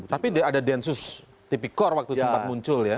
tapi ada densus tipikor waktu sempat muncul ya